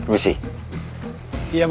terima kasih ya instructed